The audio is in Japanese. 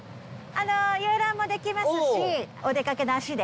遊覧もできますしお出掛けの足で。